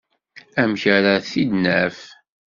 Amek ara t-id-naf?